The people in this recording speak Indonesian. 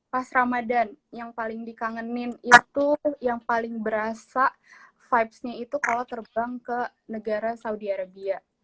pas ramadhan yang paling dikangenin itu yang paling berasa vibesnya itu kalau terbang ke negara saudi arabia